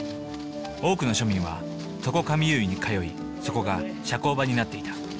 多くの庶民は床髪結いに通いそこが社交場になっていた。